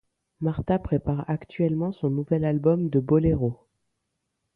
Martha prépare actuellement son nouvel album de Boléro.